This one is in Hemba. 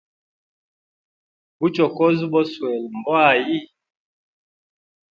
Buchokozi boswele mbwa ayi?